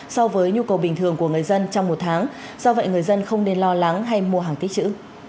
so với nhu cầu bình thường của người dân trong một tháng do vậy người dân không nên lo lắng hay mua hàng tích chữ